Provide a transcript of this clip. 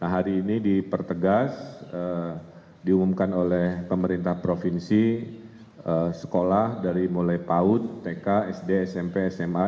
hari ini dipertegas diumumkan oleh pemerintah provinsi sekolah dari mulai paut tk sd smp sma